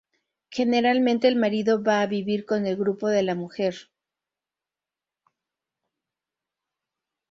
Generalmente el marido va a vivir con el grupo de la mujer.